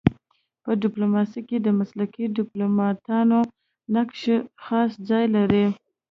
په ډيپلوماسی کي د مسلکي ډيپلوماتانو نقش خاص ځای لري.